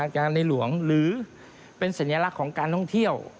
ในหลวงหรือเป็นสัญลักษณ์ของการท่องเที่ยว